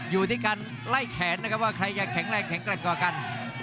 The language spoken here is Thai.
อยู่ที่การไล่แขนนะครับว่าใครจะแข็งแรงแข็งแกร่งกว่ากัน